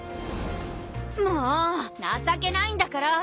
もう情けないんだから。